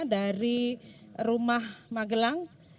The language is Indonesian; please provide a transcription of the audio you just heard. dari rumah magelang